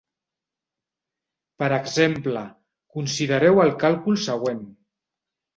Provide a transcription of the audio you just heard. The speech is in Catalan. Per exemple, considereu el càlcul següent.